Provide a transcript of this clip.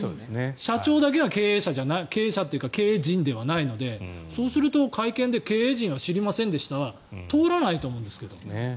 社長だけが経営陣ではないのでそうすると会見で経営陣は知りませんでしたは通らないと思うんですけど。